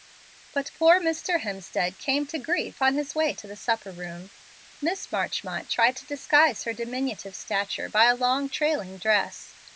But poor Mr. Hemstead came to grief on his way to the supper room. Miss Marchmont tried to disguise her diminutive stature by a long trailing dress.